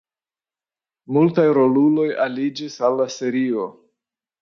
Multaj roluloj aliĝis al la serio.